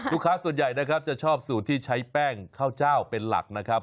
ลูกค้าส่วนใหญ่นะครับจะชอบสูตรที่ใช้แป้งข้าวเจ้าเป็นหลักนะครับ